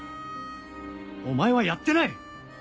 お前はやってない！